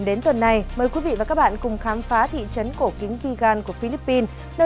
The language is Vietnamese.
kính chào quý vị và các bạn đang theo dõi chương trình kết nối asean của chương trình nhân dân